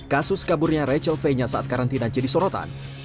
kasus kaburnya rachel fainya saat karantina jadi sorotan